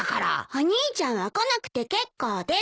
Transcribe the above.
お兄ちゃんは来なくて結構です。